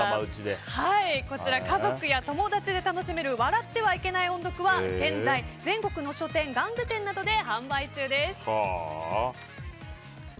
こちら、家族や友達で楽しめる笑ってはいけない音読は現在、全国の書店玩具店などで販売中です。